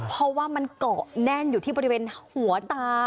เพราะว่ามันเกาะแน่นอยู่ที่บริเวณหัวตา